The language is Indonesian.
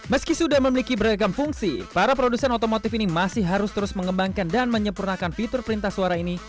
meski sudah memiliki beragam fungsi para produsen otomotif ini masih harus terus mengembangkan dan menyempurnakan fitur perintah suara ini